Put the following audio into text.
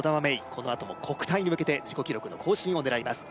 このあとも国体に向けて自己記録の更新を狙います